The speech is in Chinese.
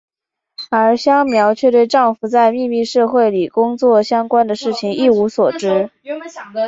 而香苗却对丈夫在秘密社会里工作相关的事情一无所知。